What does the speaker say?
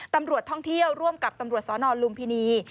ตำรวจท่องเที่ยวร่วมกับตำรวจสนลุมพินี